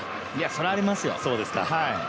それはありますよ。